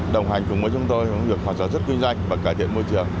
đồng hành cùng với chúng tôi hoạt động rất kinh doanh và cải thiện môi trường